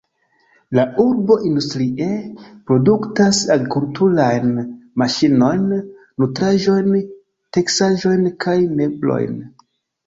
La urbo industrie produktas agrikulturajn maŝinojn, nutraĵojn, teksaĵojn kaj meblojn.